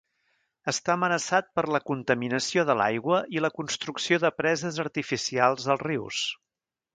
Està amenaçat per la contaminació de l'aigua i la construcció de preses artificials als rius.